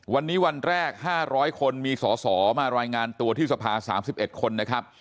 วันนี้วันแรก๕๐๐คนมีสอสอมารายงานตัวที่สภา๓๑คนนะครับ